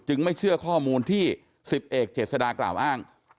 ไม่เชื่อข้อมูลที่๑๐เอกเจษฎากล่าวอ้าง